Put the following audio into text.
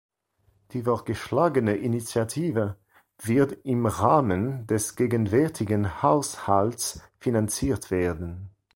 Die vorgeschlagene Initiative wird im Rahmen des gegenwärtigen Haushalts finanziert werden.